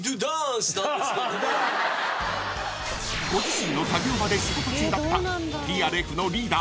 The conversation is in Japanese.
［ご自身の作業場で仕事中だったＴＲＦのリーダー］